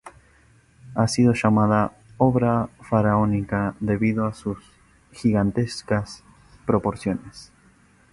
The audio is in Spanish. Ha sido llamada "obra faraónica" debido a sus gigantescas proporciones.